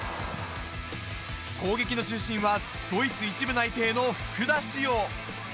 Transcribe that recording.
攻撃の中心はドイツ１部内定の福田師王。